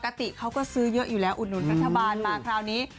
ปกติเขาก็ซื้อเยอะอยู่แล้วอุดหนุนรัฐบาลมาคราวนี้